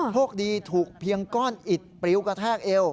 โชคดีถูกเพียงก้อนอิดปริวกระแทกเอว